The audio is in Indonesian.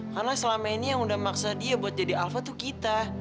karena selama ini yang udah maksa dia buat jadi alva tuh kita